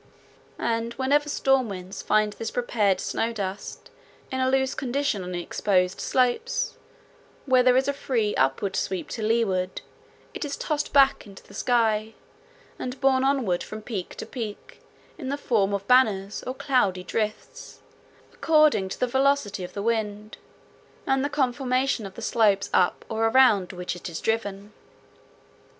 And whenever storm winds find this prepared snow dust in a loose condition on exposed slopes, where there is a free upward sweep to leeward, it is tossed back into the sky, and borne onward from peak to peak in the form of banners or cloudy drifts, according to the velocity of the wind and the conformation of the slopes up or around which it is driven.